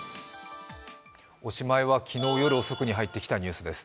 おしまいは昨日夜遅くに入ってきたニュースです。